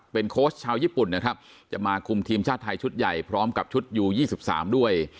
โค้ชชาวญี่ปุ่นนะครับจะมาคุมทีมชาติไทยชุดใหญ่พร้อมกับชุดยู๒๓ด้วย